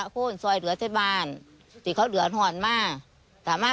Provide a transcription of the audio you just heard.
ก็เบิ้งให้เขาธรรมดา